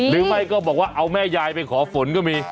หรือไม่ก็บอกว่าเอาแม่ยายไปขอฝนก็มี